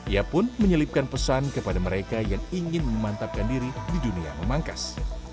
ia pun menyelipkan pesan kepada mereka yang ingin memantapkan diri di dunia memangkas